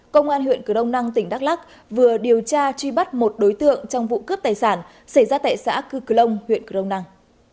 công an huyện cửa đông năng tỉnh đắk lắc vừa điều tra truy bắt một đối tượng trong vụ cướp tài sản xảy ra tại xã cư cửa đông huyện cửa đông năng